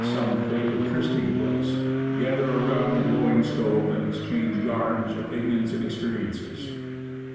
some favorite trysting place, gather around the glowing stove and exchange yarns, opinions and experiences.